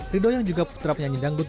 rido yang juga putra penyanyi dangdut